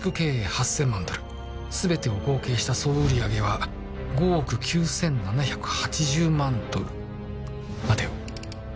８０００万ドル全てを合計した総売上は５億９７８０万ドル待てよ